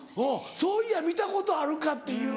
そういや見たことあるかっていう。